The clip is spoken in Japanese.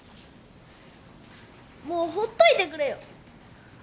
もうほっといてくれよ。